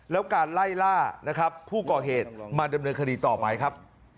แล้วการไล่ล่านะครับผู้ก่อเหตุมาดำเนินคดีต่อไปครับ